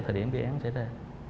thời điểm cái án xảy ra